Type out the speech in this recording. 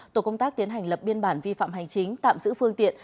tổ công tác tiến hành lập biên bản vi phạm hành chính tạm giữ phương tiện